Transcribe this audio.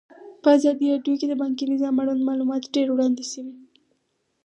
په ازادي راډیو کې د بانکي نظام اړوند معلومات ډېر وړاندې شوي.